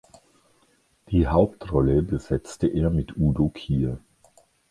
Die Hauptrolle besetzte er mit Udo Kier.